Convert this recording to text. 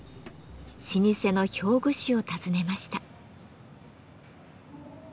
老舗の表具師を訪ねました。